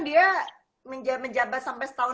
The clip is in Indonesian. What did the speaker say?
dia menjabat sampai setahun